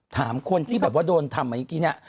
ถามคนที่แบบว่าโดนทำอย่างนี้